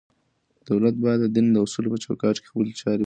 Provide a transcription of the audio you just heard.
دولت بايد د دين د اصولو په چوکاټ کي خپلي چارې پر مخ يوسي.